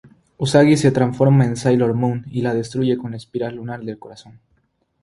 Usagi se transforma en Sailor Moon y la destruye con "Espiral lunar del corazón".